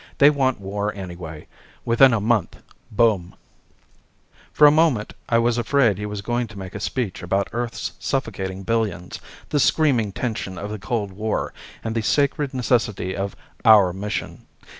They want war anyway. Within a month boom." For a moment, I was afraid he was going to make a speech about Earth's suffocating billions, the screaming tension of the cold war, and the sacred necessity of Our Mission.